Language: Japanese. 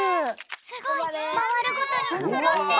すごい。まわるごとにそろってる！